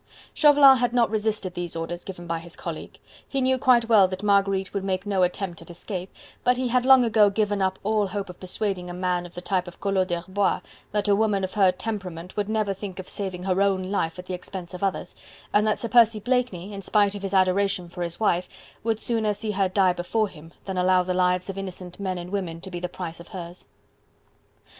Chauvelin had not resisted these orders given by his colleague. He knew quite well that Marguerite would make no attempt at escape, but he had long ago given up all hope of persuading a man of the type of Collot d'Herbois that a woman of her temperament would never think of saving her own life at the expense of others, and that Sir Percy Blakeney, in spite of his adoration for his wife, would sooner see her die before him, than allow the lives of innocent men and women to be the price of hers.